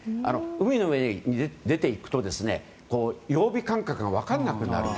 海の上に出て行くと曜日感覚が分からなくなる。